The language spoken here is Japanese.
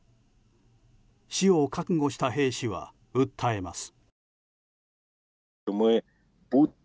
死を覚悟した兵士は、訴えます。